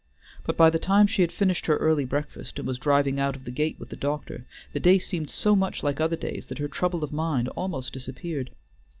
But by the time she had finished her early breakfast, and was driving out of the gate with the doctor, the day seemed so much like other days that her trouble of mind almost disappeared.